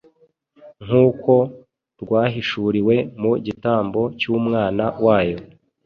nk’uko rwahishuriwe mu gitambo cy’Umwana wayo